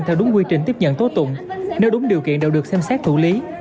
theo đúng quy trình tiếp nhận tố tụng nếu đúng điều kiện đều được xem xét thủ lý